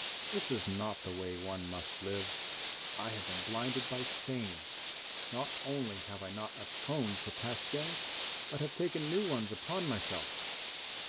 This is not the way one must live. I have been blinded by fame. Not only have I not atoned for past sins but have taken new ones upon myself.